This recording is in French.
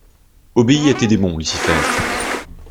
Obéis à tes démons, Lucifer!